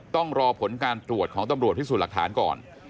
ต้องรอผลการตรวจของตำรวจพิสูจน์หลักฐานก่อน